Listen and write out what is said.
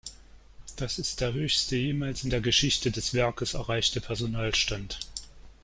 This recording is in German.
Das ist der höchste jemals in der Geschichte des Werkes erreichte Personalstand.